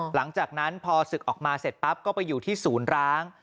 หลังจากนั้นพอศึกออกมาเสร็จปั๊บก็ไปอยู่ที่ศูนย์ร้าง